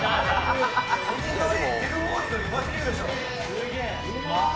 すげえ。